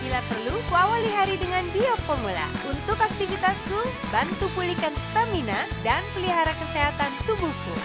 yo formula untuk aktivitas ku bantu pulihkan stamina dan pelihara kesehatan tubuhku